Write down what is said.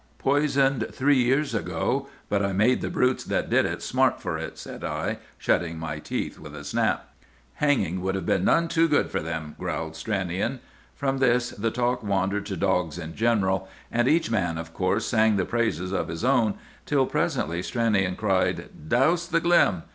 "Poisoned three years ago; but I made the brutes that did it smart for it!" said I, shutting my teeth with a snap. "Hanging would have been none too bad for them!" growled Stranion. From this the talk wandered to dogs in general; and each man, of course, sang the praises of his own, till presently Stranion cried, "Douse the glim!"